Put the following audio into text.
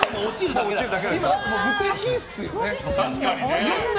無敵っすよね。